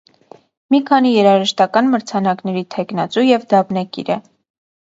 Մի քանի երաժշտական մրցանակների թեկնածու և դափնեկիր է։